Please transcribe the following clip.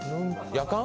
やかん？